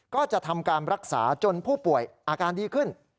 ก็จะทำการรักษาจนผู้ป่วยอาการดีขึ้น